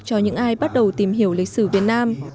cho những ai bắt đầu tìm hiểu lịch sử việt nam